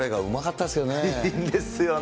いいですよね。